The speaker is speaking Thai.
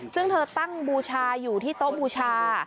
ซึ่งเธอตั้งบูชาอยู่ที่โต๊ะบูชา